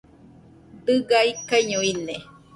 Dɨga ikaiño ine